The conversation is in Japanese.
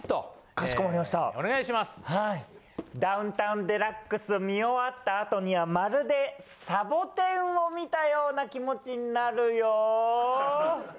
『ダウンタウンＤＸ』見終わった後にはまるでサボテンを見たような気持ちになるよ。